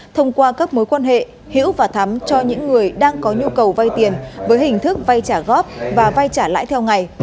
thông qua các mối quan hệ hiễu và thắm cho những người đang có nhu cầu vay tiền với hình thức vay trả góp và vay trả lãi theo ngày